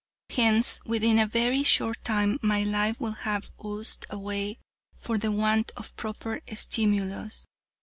Hence within a very short time my life will have oozed away for the want of proper stimulus.